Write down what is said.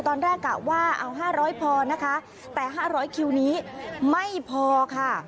ตอนแรกอะว่าเอาห้าร้อยพอนะคะแต่ห้าร้อยคิวนี้ไม่พอค่ะ